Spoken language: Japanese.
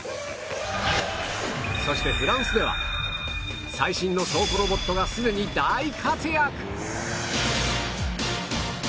そしてフランスでは最新の倉庫ロボットがすでに大活躍！